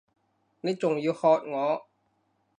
你仲要喝我！